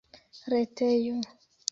retejo